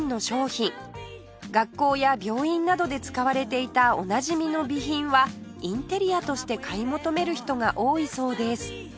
学校や病院などで使われていたおなじみの備品はインテリアとして買い求める人が多いそうです